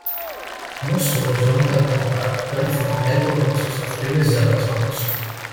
Most solos on the album are culled from live performances of previous Zappa songs.